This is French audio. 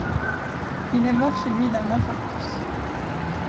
Il est mort chez lui d'un infarctus.